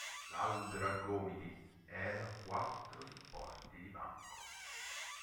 L'albero a gomiti era a quattro supporti di banco.